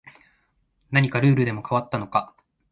何かルールでも変わったのか